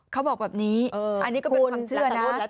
เขาบอกแบบนี้อันนี้ก็เป็นความเชื่อนะ